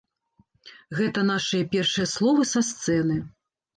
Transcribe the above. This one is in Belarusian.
Гэта нашыя першыя словы са сцэны.